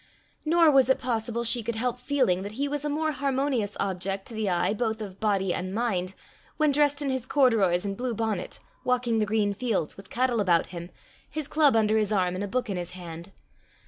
Nor was it possible she could help feeling that he was a more harmonious object to the eye both of body and mind when dressed in his corduroys and blue bonnet, walking the green fields, with cattle about him, his club under his arm, and a book in his hand.